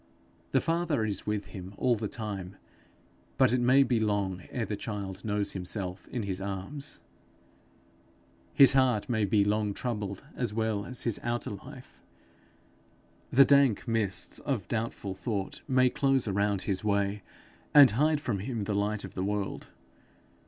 The Father is with him all the time, but it may be long ere the child knows himself in his arms. His heart may be long troubled as well as his outer life. The dank mists of doubtful thought may close around his way, and hide from him the Light of the world!